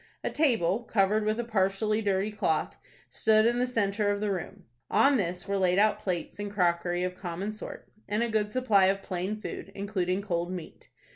A table, covered with a partially dirty cloth, stood in the centre of the room. On this were laid out plates and crockery of common sort, and a good supply of plain food, including cold meat.